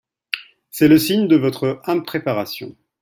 C’est le signe de votre impréparation.